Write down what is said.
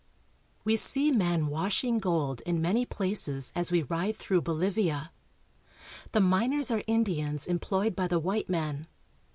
We see men washing gold in many places as we ride through Bolivia. The miners are Indians employed by the white men.